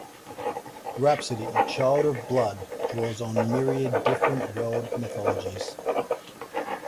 "Rhapsody: Child of Blood" draws on myriad different world mythologies.